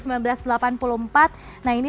nah ini terlihat seperti ini